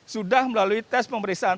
sudah melalui tes pemeriksaan